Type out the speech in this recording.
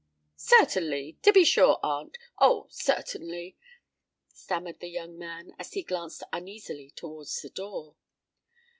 "Certainly—to be sure, aunt—Oh! certainly," stammered the young man, as he glanced uneasily towards the door.